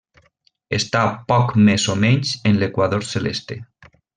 Està poc més o menys en l'equador celeste.